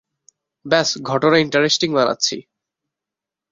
ব্যস ঘটনা ইন্টারেস্টিং বানাচ্ছি।